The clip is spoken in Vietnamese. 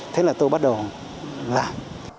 thế là tôi bắt đầu làm